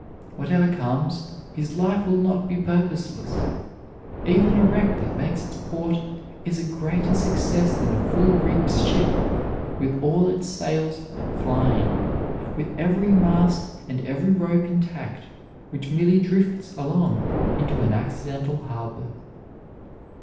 Whatever comes, his life will not be purposeless. Even a wreck that makes its port is a greater success than a full rigged ship with all its sails flying, with every mast and every rope intact, which merely drifts along into an accidental harbor.